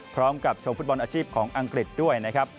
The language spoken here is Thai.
ชมฟุตบอลอาชีพของอังกฤษด้วยนะครับ